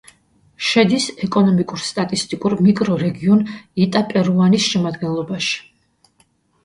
შედის ეკონომიკურ-სტატისტიკურ მიკრორეგიონ იტაპერუანის შემადგენლობაში.